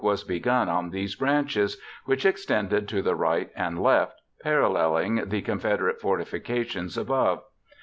Accordingly, on July 18, work was begun on these branches which extended to the right and left, paralleling the Confederate fortifications above.